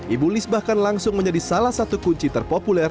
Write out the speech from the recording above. ibu lis bahkan langsung menjadi salah satu kunci terpopuler